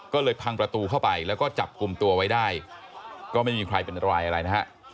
ก็เลยพังประตูเข้าไปแล้วก็จับกลุ่มตัวไว้ได้ก็ไม่มีใครเป็นอะไรอะไรนะฮะ